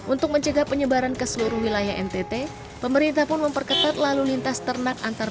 untuk mencegah penyebaran ke seluruh wilayah ntt pemerintah pun memperketat lalu lintas ternak antar